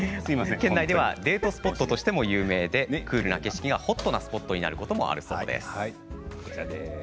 県内ではデートスポットとしても有名でホットなスポットになることもあるそうです。